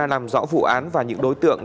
làm rõ vụ án và những đối tượng